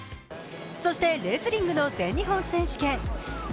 そしてレスリングの全日本選手権。